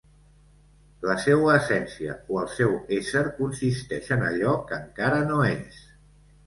La seua essència o el seu ésser consisteix en allò que encara no és.